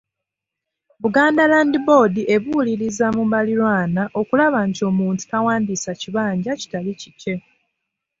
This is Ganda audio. Buganda Land Board ebuuliriza mu baliraanwa okulaba nti omuntu tawandiisa kibanja kitali kikye.